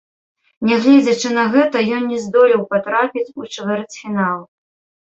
Нягледзячы на гэта, ён не здолеў патрапіць у чвэрцьфінал.